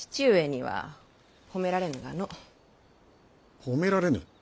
褒められぬ？